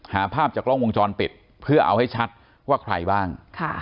หาภาพจากกล้องวงจรปิดเพื่อเอาให้ชัดว่าใครบ้าง